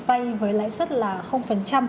vay với lãi suất là